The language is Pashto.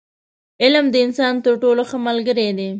• علم، د انسان تر ټولو ښه ملګری دی.